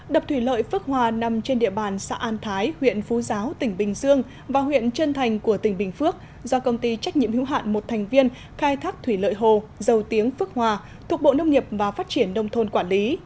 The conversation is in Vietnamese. đập thủy lợi phước hòa nằm trên địa bàn xã an thái huyện phú giáo tỉnh bình dương và huyện trân thành của tỉnh bình phước do công ty trách nhiệm hữu hạn một thành viên khai thác thủy lợi hồ dầu tiếng phước hòa thuộc bộ nông nghiệp và phát triển đông thôn quản lý